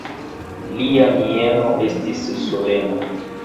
Lia mieno estis solena.